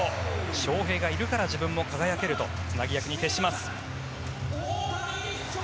翔平がいるから自分も輝けるとつなぎ役に徹します。